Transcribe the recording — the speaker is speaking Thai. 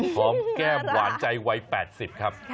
แก้มหวานใจวัย๘๐ครับ